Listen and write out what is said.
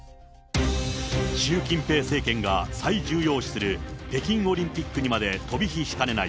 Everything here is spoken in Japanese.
習近平政権が最重要視する北京オリンピックにまで飛び火しかねない